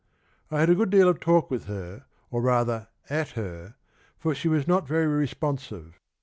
I had a good deal of talk with her, or rather at her, for she was not very responsive.